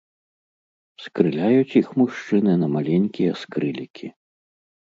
Скрыляюць іх мужчыны на маленькія скрылікі.